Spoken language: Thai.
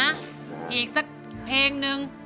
อีกสักเพลงนึง